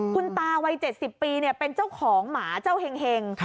คุณตาวัย๗๐ปีเป็นเจ้าของหมาเจ้าเห็ง